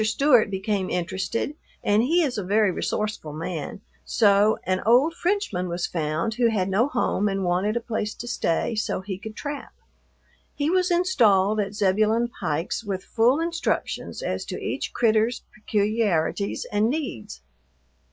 Stewart became interested, and he is a very resourceful man, so an old Frenchman was found who had no home and wanted a place to stay so he could trap. He was installed at Zebulon Pike's with full instructions as to each "critter's" peculiarities and needs.